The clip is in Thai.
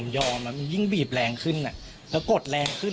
ยิ่งบีบแรงขึ้นแล้วกดแรงขึ้น